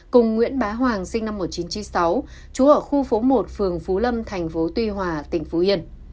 cùng nguyễn bá hoàng sinh năm một nghìn chín trăm chín mươi sáu trú ở khu phố một phường phú lâm thành phố tuy hòa tỉnh phú yên